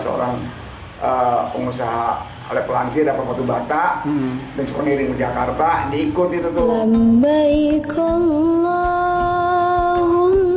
seorang pengusaha oleh pelanggisnya dapat waktu bata dan sekonir di jakarta diikut itu tuh